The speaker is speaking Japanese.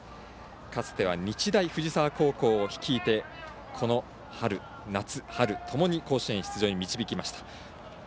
かつては日大藤沢高校を率いてこの春、夏ともに甲子園出場に導きました。